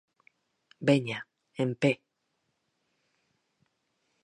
Veña, en pé!